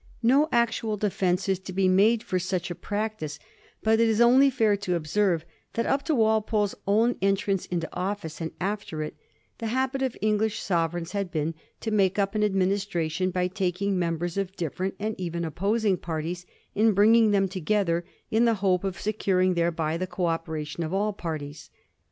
No actual defence is to be made for such a practice ; but it is only fair to observe that up to Walpole's own entrance into office, and after it, the habit of English sovereigns had been to make up an administration by taking members of different and even of opposing parties and bringing them together, in the hope of securing thereby the co operation of all parties.